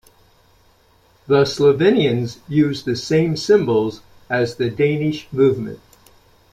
The Slovenians use the same symbols as the Danish movement.